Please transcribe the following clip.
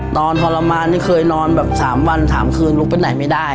นอนทรมานเนี่ยเคยนอนแบบสามวันสามคืนลุกไปไหนไม่ได้